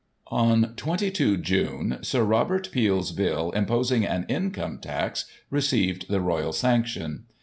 On 22 June, Sir Robt. Peel's Bill, imposing an Income Tax, received the Royal sanction.